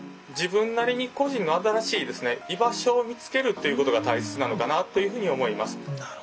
自分なりに故人の新しい居場所を見つけるっていうことが大切なのかなというふうに思います。